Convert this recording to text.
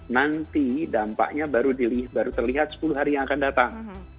nanti dampaknya baru terlihat sepuluh hari yang akan datang